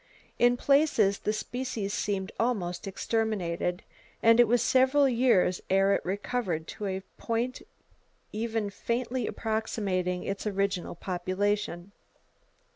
In places the species seemed almost exterminated; and it was several years ere it recovered to a point even faintly approximating its original population.